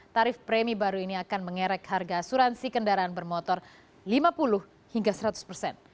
tarif premi baru ini akan mengerek harga asuransi kendaraan bermotor lima puluh hingga seratus persen